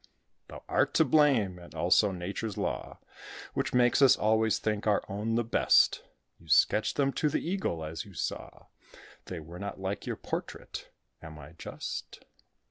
Thou art to blame, and also Nature's law, Which makes us always think our own the best. You sketched them to the Eagle as you saw: They were not like your portrait; am I just?"